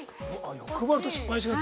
欲張ると失敗しがち。